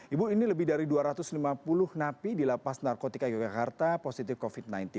ibu ini lebih dari dua ratus lima puluh napi di lapas narkotika yogyakarta positif covid sembilan belas